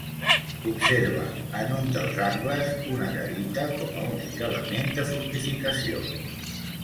Conserva, en un dels angles, una garita com a únic element de fortificació.